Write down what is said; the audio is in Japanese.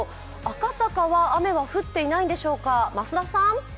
赤坂は雨は降っていないんでしょうか、増田さん？